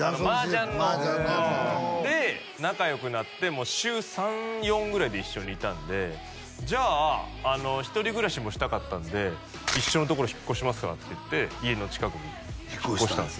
マージャンので仲良くなって週３４ぐらいで一緒にいたんでじゃあ一人暮らしもしたかったんで一緒のところ引っ越しますかって言って家の近くに引っ越したんすよ引っ越したんや？